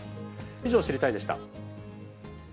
以上、知りたいッ！でした。